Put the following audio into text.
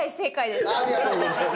ありがとうございます！